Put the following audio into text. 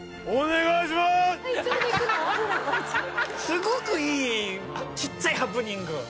すごくいいちっちゃいハプニング。